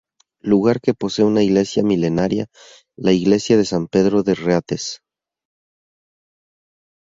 Lugar que posee una iglesia milenaria, la Iglesia de San Pedro de Rates.